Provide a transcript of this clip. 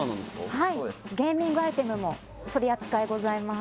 はいゲーミングアイテムも取り扱いございます